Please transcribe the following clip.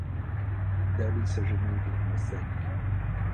Dalí s'agenouille devant la scène.